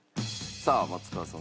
さあ松川さん